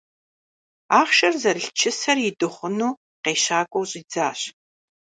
Ахъшэр зэрылъ чысэр идыгъуну къещакӀуэу щӀидзащ.